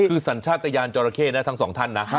คือสัญชาติยานจอราเข้นะทั้งสองท่านนะ